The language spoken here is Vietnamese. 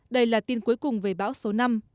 đây là tin cuối cùng về bão số năm